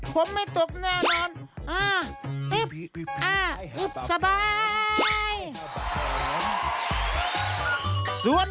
ผมไม่ตกแน่นอน